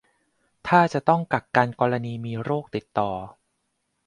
ถ้าจะต้องกักกันกรณีมีโรคติดต่อ